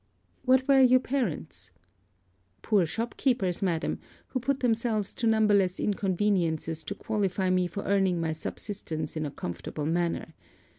'What were your parents?' 'Poor shopkeepers, madam, who put themselves to numberless inconveniences to qualify me for earning my subsistence in a comfortable manner.